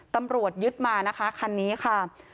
ตำรวจยึดมานะคะคันนี้ค่ะ